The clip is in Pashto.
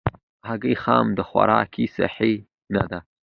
هګۍ خام خوراک صحي نه ده.